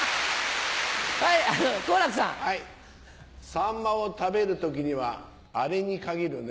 サンマを食べる時にはアレに限るね。